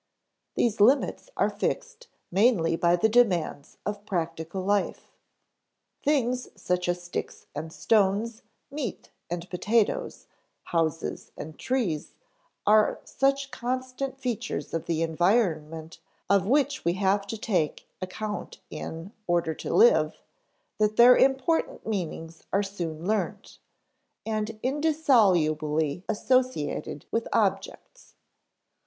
These limits are fixed mainly by the demands of practical life. Things such as sticks and stones, meat and potatoes, houses and trees, are such constant features of the environment of which we have to take account in order to live, that their important meanings are soon learnt, and indissolubly associated with objects.